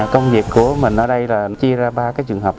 công việc của mình ở đây là chia ra ba cái trường hợp